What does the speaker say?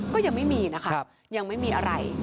ก็ยังไม่มีนะคะยังไม่มีอะไร